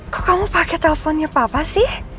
kok kamu pakai teleponnya papa sih